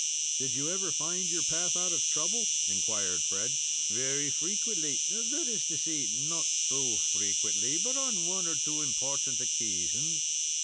"Did you ever find your path out of trouble?" inquired Fred. "Very frequently that is, not to say so frequently but on one or two important occasions.